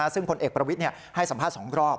ซึ่งพลเอกประวิทย์ให้สัมภาษณ์๒รอบ